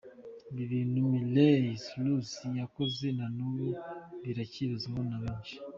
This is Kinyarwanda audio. Ibi bintu Miley Cyrus yakoze nanubu birakibazwaho na benshi.